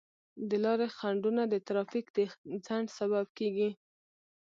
د لارې خنډونه د ترافیک د ځنډ سبب کیږي.